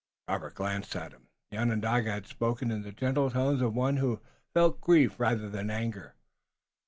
Robert glanced at him. The Onondaga had spoken in the gentle tones of one who felt grief rather than anger.